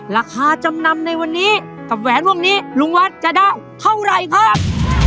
ราคาจำนำในวันนี้กับแหวนพวกนี้ลุงวัดจะได้เท่าไหร่ครับ